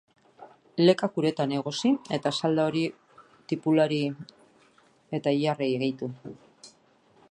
Lekak uretan egosi, eta salda hori hori tipulari eta ilarrei gehitu.